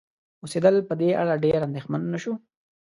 اوسیدل په دې اړه ډېر اندیښمن نشو